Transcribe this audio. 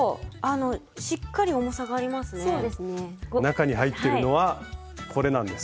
中に入っているのはこれなんです。